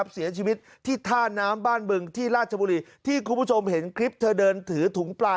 เสียชีวิตที่ท่าน้ำบ้านบึงที่ราชบุรีที่คุณผู้ชมเห็นคลิปเธอเดินถือถุงปลา